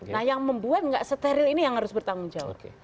nah yang membuat nggak steril ini yang harus bertanggung jawab